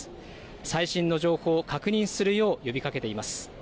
最新の情報を確認するよう呼びかけています。